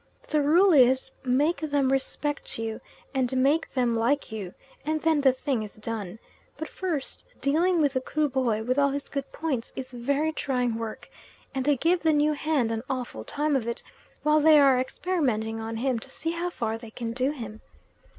The rule is, make them respect you, and make them like you, and then the thing is done; but first dealing with the Kruboy, with all his good points, is very trying work, and they give the new hand an awful time of it while they are experimenting on him to see how far they can do him.